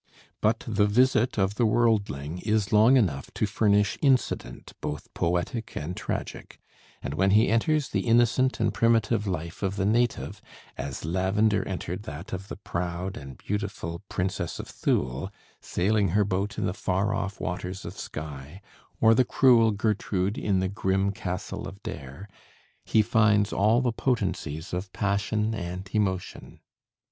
But the visit of the worldling is long enough to furnish incident both poetic and tragic; and when he enters the innocent and primitive life of the native, as Lavender entered that of the proud and beautiful Princess of Thule sailing her boat in the far off waters of Skye, or the cruel Gertrude in the grim castle of Dare, he finds all the potencies of passion and emotion.